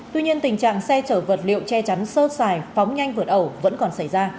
tuy nhiên tình trạng xe chở vật liệu che chắn sơ xài phóng nhanh vượt ẩu vẫn còn xảy ra